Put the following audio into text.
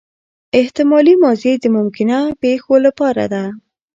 احتمالي ماضي د ممکنه پېښو له پاره ده.